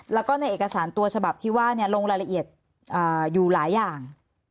แล้วก็ในเอกสารตัวฉบับที่ว่าลงรายละเอียดอยู่หลายอย่าง